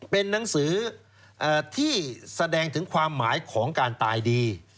เป็นหนังสือที่แสดงถึงความหมายของการตายดี